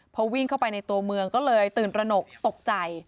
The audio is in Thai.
พอวิ่งเข้าไปในตัวเมืองก็เลยตื่นตระหนกตกใจ